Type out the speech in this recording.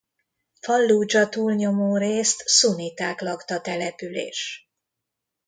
Fallúdzsa túlnyomórészt szunniták lakta település.